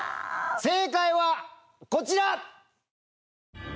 正解はこちら！